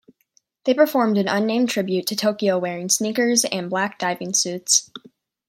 They performed an unnamed tribute to Tokyo wearing sneakers and black diving suits.